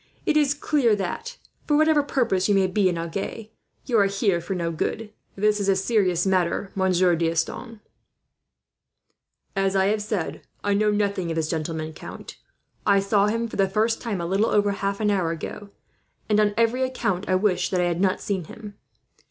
"It is clear that, for whatever purpose you may be in Agen, you are here for no good. "This is a serious matter, Monsieur D'Estanges." "As I have said, I know nothing of this gentleman, count. I saw him for the first time a little over half an hour ago, and on every account I wish that I had not seen him.